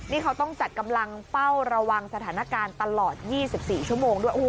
นี่เขาต้องจัดกำลังเฝ้าระวังสถานการณ์ตลอด๒๔ชั่วโมงด้วย